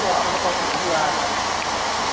สวัสดีครับ